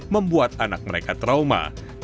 membuat anak mereka trauma